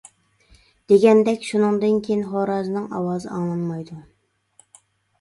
دېگەندەك، شۇندىن كېيىن، خورازنىڭ ئاۋازى ئاڭلانمايدۇ.